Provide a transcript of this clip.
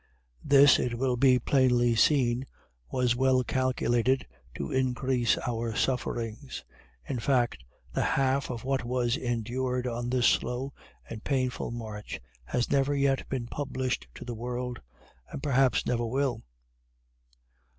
This, it will be plainly seen, was well calculated to increase our sufferings. In fact, the half of what was endured on this slow and painful march has never yet been published to the world, and perhaps never will.